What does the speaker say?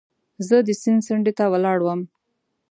زه د سیند څنډې ته ولاړ وم.